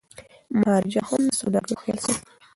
مهاراجا هم د سوداګرو خیال ساتي.